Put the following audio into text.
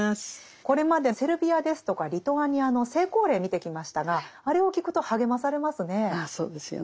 これまでセルビアですとかリトアニアの成功例見てきましたがあれを聞くと励まされますね。